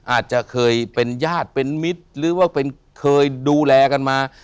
อาจจะเคยเป็นญาติเป็นมิตรหรือว่าเคยดูแลกันมา